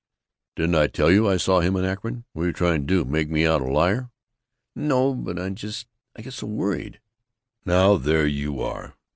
"Didn't I tell you I saw him in Akron? What 're you trying to do? Make me out a liar?" "No, but I just I get so worried." "Now, there you are!